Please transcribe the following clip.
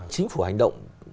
chính phủ hành động